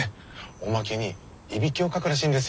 おまけにいびきをかくらしいんですよ